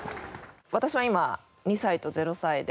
私は今２歳と０歳で。